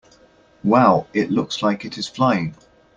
Wow! It looks like it is flying!